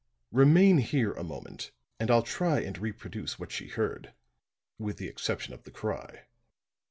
Remain here a moment and I'll try and reproduce what she heard with the exception of the cry."